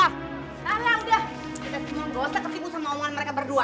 kita simpulin gak usah kesibuk sama omongan mereka berdua